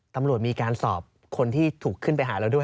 ตำรวจมีการสอบคนที่ถูกขึ้นไปหาเราด้วย